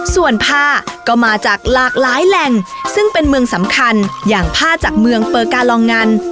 ส่วนผ้าก็มาจากหลากหลายแหล่งซึ่งเป็นเมืองสำคัญอย่างผ้าจากเมืองเปอร์กาลองงัน